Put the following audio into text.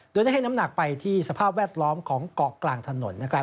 โดยได้ให้น้ำหนักไปที่สภาพแวดล้อมของเกาะกลางถนน